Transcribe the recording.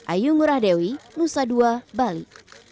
ayu ngurahdewi nusa dua bali